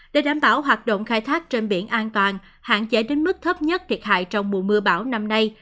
để đảm bảo hoạt động khai thác trên biển an toàn hạn chế đến mức thấp nhất thiệt hại trong mùa mưa bão năm nay